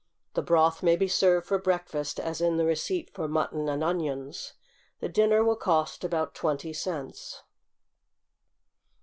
The broth may be served for breakfast, as in the receipt for MUTTON AND ONIONS. The dinner will cost about twenty cents.